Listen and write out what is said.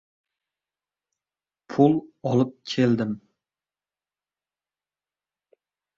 — Pul olib kelmadim.